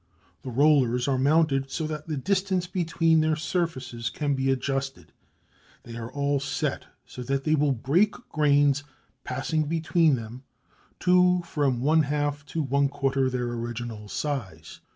The rollers are mounted so that the distance between their surfaces can be adjusted. They are set so that they will break grains passing between them to from one half to one quarter their original size.